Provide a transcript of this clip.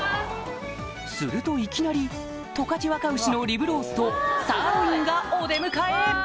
するといきなり十勝若牛のリブロースとサーロインがお出迎え！